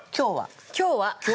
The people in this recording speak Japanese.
「今日は」？